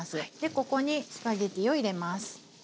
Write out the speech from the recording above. ここにスパゲッティを入れます。